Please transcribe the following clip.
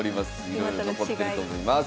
いろいろ残ってると思います。